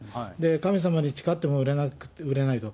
神様に誓っても売れないと。